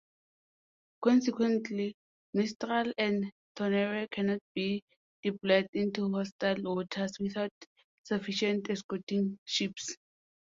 Consequently, "Mistral" and "Tonnerre" cannot be deployed into hostile waters without sufficient escorting ships.